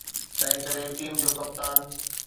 تنهنڪري ٽيم جو ڪپتان.